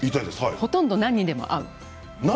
ほとんど何にでも合う。